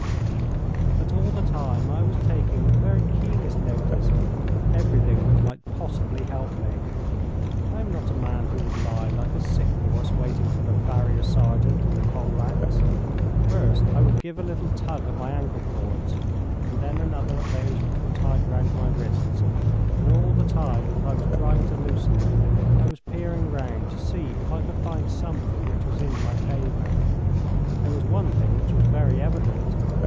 But all the time I was taking the very keenest notice of everything which might possibly help me. I am not a man who would lie like a sick horse waiting for the farrier sergeant and the pole axe. First I would give a little tug at my ankle cords, and then another at those which were round my wrists, and all the time that I was trying to loosen them I was peering round to see if I could find something which was in my favour. There was one thing which was very evident.